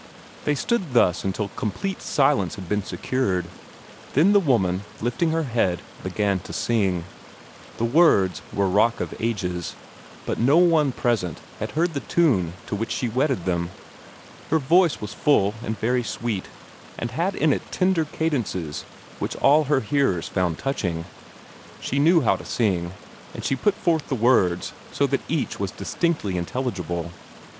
They stood thus until complete silence had been secured. Then the woman, lifting her head, began to sing. The words were "Rock of Ages," but no one present had heard the tune to which she wedded them. Her voice was full and very sweet, and had in it tender cadences which all her hearers found touching. She knew how to sing, and she put forth the words so that each was distinctly intelligible.